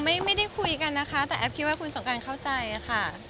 ไม่ได้คุยกันนะคะแต่แอฟคิดว่าคุณสงการเข้าใจค่ะ